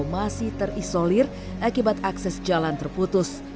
masih terisolir akibat akses jalan terputus